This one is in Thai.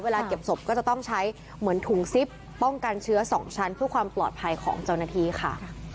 เก็บศพก็จะต้องใช้เหมือนถุงซิปป้องกันเชื้อ๒ชั้นเพื่อความปลอดภัยของเจ้าหน้าที่ค่ะ